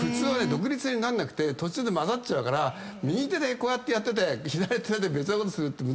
独立になんなくて途中で交ざっちゃうから右手でこうやってて左手で別のことするって難しいよ。